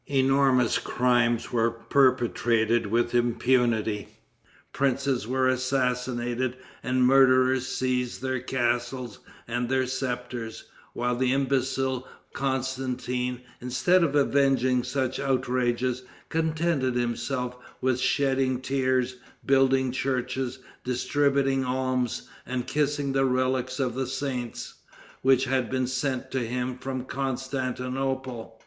Enormous crimes were perpetrated with impunity. Princes were assassinated, and the murderers seized their castles and their scepters, while the imbecile Constantin, instead of avenging such outrages, contented himself with shedding tears, building churches, distributing alms, and kissing the relics of the saints, which had been sent to him from Constantinople.